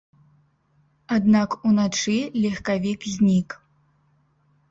Аднак уначы легкавік знік.